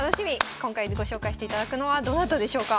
今回ご紹介していただくのはどなたでしょうか？